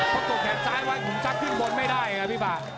พอตกแขนซ้ายไว้ผมซักขึ้นบนไม่ได้นะพี่ป่า